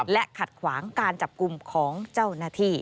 และขัดขวางการจับกลุ่มของเจ้าหน้าที่